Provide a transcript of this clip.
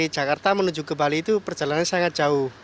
jakarta menuju ke bali itu perjalanannya sangat jauh